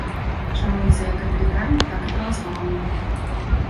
Шануецца як каталікамі, так і праваслаўнымі.